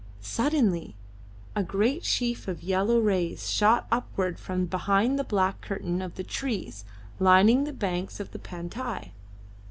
Suddenly a great sheaf of yellow rays shot upwards from behind the black curtain of trees lining the banks of the Pantai.